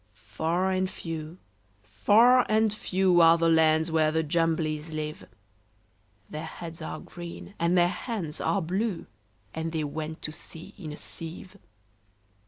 Far and few, far and few, Are the lands where the Jumblies live: Their heads are green, and their hands are blue And they went to sea in a sieve.